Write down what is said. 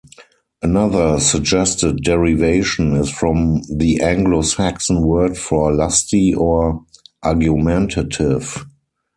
Another suggested derivation is from the Anglo-Saxon word for "lusty" or "argumentative".